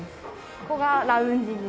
ここがラウンジに。